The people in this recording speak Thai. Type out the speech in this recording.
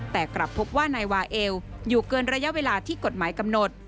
แต่กลับพบว่านายวาเอลอยู่เกินระยะเวลาที่กฎหมายกำหนด